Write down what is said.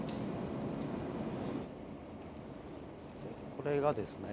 これがですね